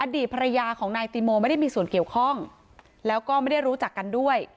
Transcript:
ดีตภรรยาของนายติโมไม่ได้มีส่วนเกี่ยวข้องแล้วก็ไม่ได้รู้จักกันด้วย